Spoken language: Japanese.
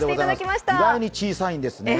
意外に小さいんですね。